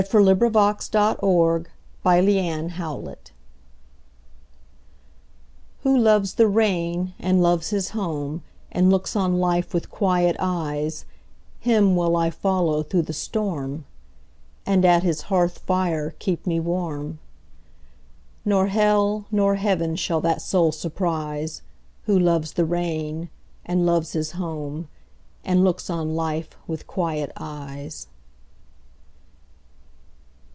Who Loves the Rain By Frances Shaw WHO loves the rainAnd loves his home, And looks on life with quiet eyes, Him will I follow through the storm; And at his hearth fire keep me warm; Nor hell nor heaven shall that soul surprise, Who loves the rain, And loves his home, And looks on life with quiet eyes.